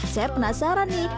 saya penasaran nih